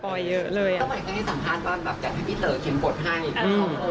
ต้องเหมือนกางเงียนสัมภาษณ์บ้างแบบอยู่ให้พี่เต๋อเขียนบทให้เค้ากระทุ่งเค้า